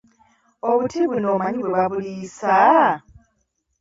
Obuti buno omanyi bwe babuliisa?